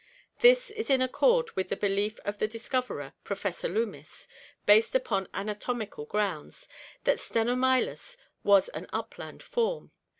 This is in accord with the belief of the discoverer, Professor Loomis, based upon ana tomical grounds, that Sienomylus was an upland form.